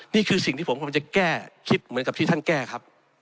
นี่คือสิ่งที่ผมกำลังจะแก้คิดเหมือนกับที่ท่านแก้ครับ